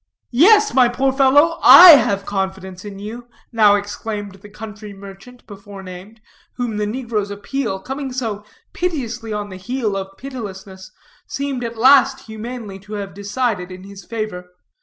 "Yes, my poor fellow I have confidence in you," now exclaimed the country merchant before named, whom the negro's appeal, coming so piteously on the heel of pitilessness, seemed at last humanely to have decided in his favor.